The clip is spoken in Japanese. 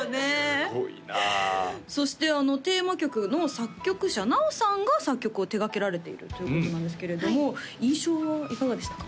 すごいなそしてテーマ曲の作曲者ｎａｏさんが作曲を手がけられているということなんですけれども印象はいかがでしたか？